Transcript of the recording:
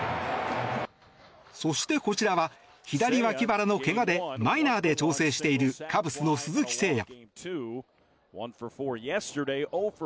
そして、こちらは左脇腹のけがでマイナーで調整しているカブスの鈴木誠也。